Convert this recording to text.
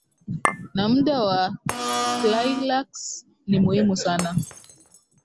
na muda wa chillax ni muhimu sana